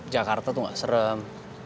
jakarta tuh gak serem